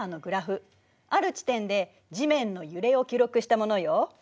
ある地点で地面の揺れを記録したものよ。